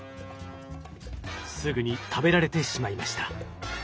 すぐに食べられてしまいました。